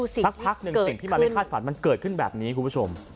สักพักหนึ่งสิ่งที่มันไม่คาดฝันมันเกิดขึ้นแบบนี้คุณผู้ชม